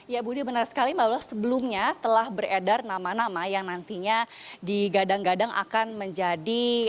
ya budi benar sekali mbak lula sebelumnya telah beredar nama nama yang nantinya digadang gadang akan menjadi